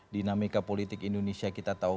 dinamika politik indonesia kita tahu